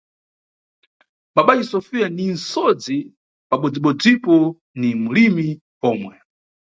Babace Sofiya ni nʼsodzi pabodzibodzipo ni mulimi pomwe.